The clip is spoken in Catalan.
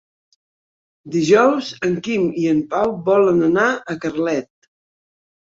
Dijous en Quim i en Pau volen anar a Carlet.